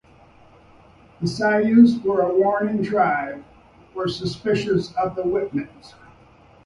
The Cayuse were a warring tribe and were suspicious of the Whitmans.